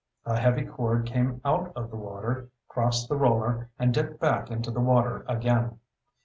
A heavy cord came out of the water, crossed the roller, and dipped back into the water again.